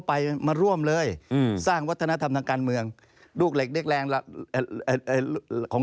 ไปมาร่วมเลยอืมสร้างวัฒนธรรมทางการเมืองลูกเหล็กเด็กแรงเอ่อของ